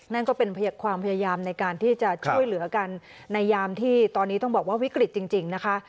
นั่นก็เป็นความพยายามในการที่จะช่วยเหลือกันในยามที่ตอนนี้ต้องบอกว่าวิกฤตจริงนะคะ